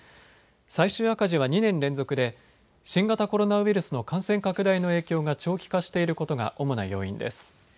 最終赤字は２年連続で新型コロナウイルスの感染拡大の影響が長期化していることが主な要因です。